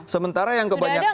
sementara yang kebanyakan